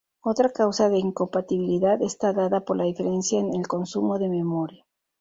Otra causa de incompatibilidad está dada por la diferencia en el consumo de memoria.